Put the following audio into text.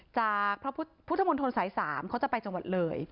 จากผู้ถมวลภูมิสายศาสตร์๓เขาจะไปจังหวัดเหลย